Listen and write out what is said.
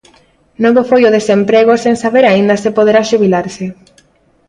Novo foi ao desemprego sen saber aínda se poderá xubilarse.